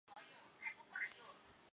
较远处则是广大的住宅区。